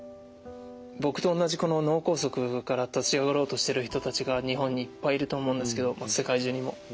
僕とおんなじこの脳梗塞から立ち上がろうとしてる人たちが日本にいっぱいいると思うんですけど世界中にも。